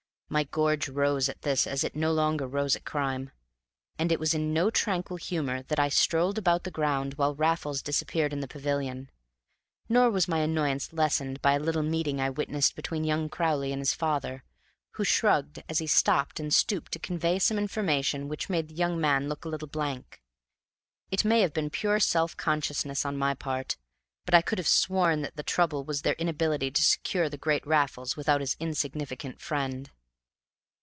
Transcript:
My gorge rose at this as it no longer rose at crime, and it was in no tranquil humor that I strolled about the ground while Raffles disappeared in the pavilion. Nor was my annoyance lessened by a little meeting I witnessed between young Crowley and his father, who shrugged as he stopped and stooped to convey some information which made the young man look a little blank. It may have been pure self consciousness on my part, but I could have sworn that the trouble was their inability to secure the great Raffles without his insignificant friend.